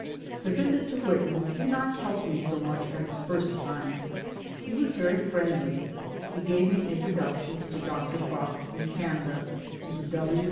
The visit to Whitman did not help me so much as the first time. He was very friendly ; he gave me u ^ introductions to Dr. Bucke in Canada, and to W.